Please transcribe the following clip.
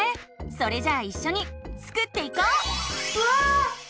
それじゃあいっしょにスクっていこう！わ！